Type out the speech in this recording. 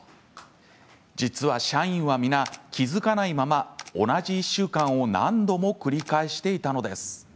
実は社員は皆、気付かないまま同じ１週間を何度も繰り返していたのです。